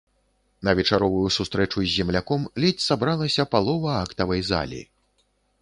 На вечаровую сустрэчу з земляком ледзь сабралася палова актавай залі.